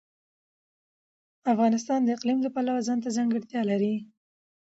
افغانستان د اقلیم د پلوه ځانته ځانګړتیا لري.